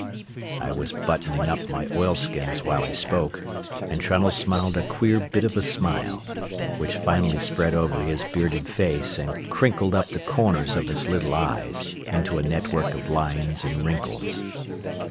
I was buttoning up my oilskins while I spoke, and Trunnell smiled a queer bit of a smile, which finally spread over his bearded face and crinkled up the corners of his little eyes into a network of lines and wrinkles.